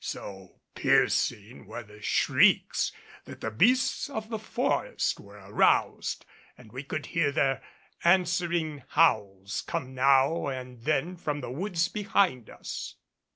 So piercing were the shrieks that the beasts of the forest were aroused and we could hear the answering howls come now and then from the woods behind us.